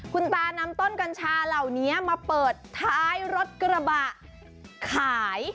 คุณตานำต้นกัญชาเหล่านี้มาเปิดท้ายรถกระบะขาย